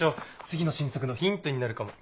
次の新作のヒントになるかも。